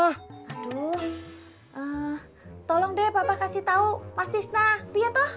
aduh tolong deh papa kasih tau mas tisna dia toh